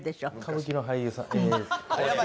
歌舞伎の俳優さんえっと。